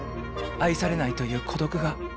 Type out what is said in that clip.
愛されないという孤独が。